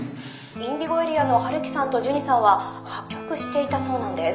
ＩｎｄｉｇｏＡＲＥＡの陽樹さんとジュニさんは破局していたそうなんです。